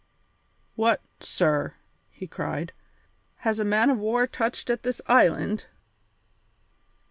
"What, sir," he cried, "has a man of war touched at this island?"